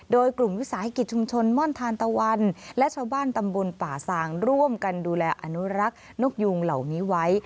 โดยกลุ่มวิสาหกิจชุมชนม่อนทานตะวันและชาวบ้านตำบลป่าสางร่วมกันดูแลอนุรักษ์นกยูงเหล่านี้ไว้